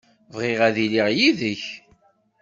Bɣiɣ ad iliɣ yid-k.